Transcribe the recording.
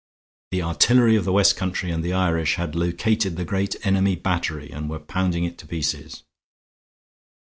The artillery of the West country and the Irish had located the great enemy battery, and were pounding it to pieces.